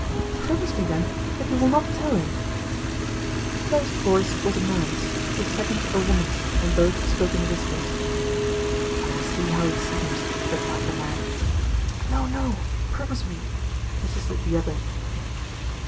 "Promise me, then, that you will not tell him." The first voice was a man's, the second a woman's, and both spoke in whispers. "I will see how he seems," replied the man. "No, no, promise me," persisted the other.